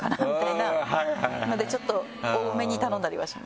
なのでちょっと多めに頼んだりはします。